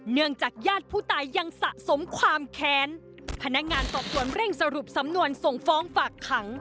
เนื่องจากญาติผู้ตายยังสะสมความแค้นพนักงานสอบสวนเร่งสรุปสำนวนส่งฟ้องฝากขัง